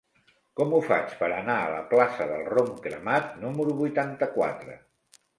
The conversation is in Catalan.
Com ho faig per anar a la plaça del Rom Cremat número vuitanta-quatre?